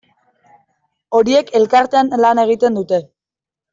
Horiek elkartean lan egiten dute.